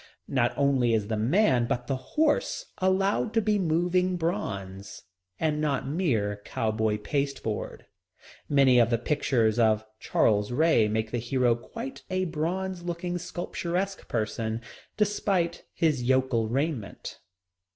Not only is the man but the horse allowed to be moving bronze, and not mere cowboy pasteboard. Many of the pictures of Charles Ray make the hero quite a bronze looking sculpturesque person, despite his yokel raiment.